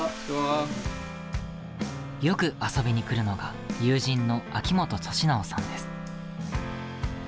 よく遊びに来るのが友人の秋元利直さんです。